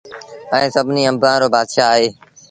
ائيٚݩ سڀنيٚ آݩبآݩ رو بآتشآه اهي